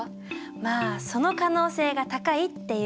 まあその可能性が高いっていうところかな。